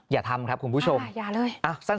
อย่าทำครับคุณผู้ชมอ่าอย่าเลย